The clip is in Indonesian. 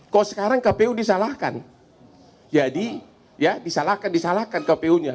kok sekarang kpu disalahkan jadi ya disalahkan kpu nya